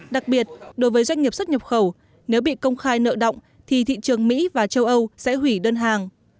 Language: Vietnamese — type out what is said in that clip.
đặc biệt đối với doanh nghiệp xuất nhập khẩu nếu bị công khai nợ động thì thị trường mỹ và châu âu sẽ hủy đơn hàng